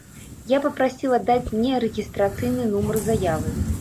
Я папрасіла даць мне рэгістрацыйны нумар заявы.